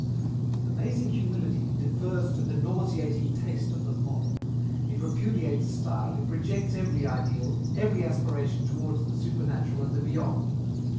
With amazing humility it defers to the nauseating taste of the mob. It repudiates style, it rejects every ideal, every aspiration towards the supernatural and the beyond.